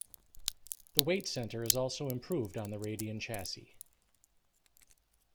The weight center is also improved on the Radien chassis.